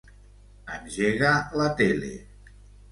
Engega la tele.